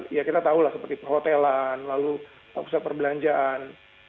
ya kita tahu lah seperti perhotelan lalu pusat perbelanjaan